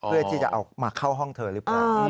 เพื่อที่จะเอามาเข้าห้องเธอหรือเปล่า